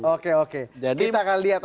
oke oke kita akan lihat